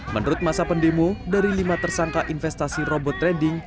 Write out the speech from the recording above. menurut masa pendemo dari lima tersangka investasi robot trading